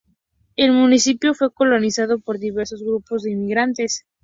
El municipio fue colonizado por diversos grupos de inmigrantes.